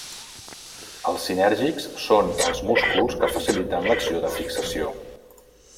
Els sinèrgics són els músculs que faciliten l'acció de fixació.